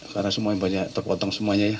karena semuanya banyak terpotong semuanya ya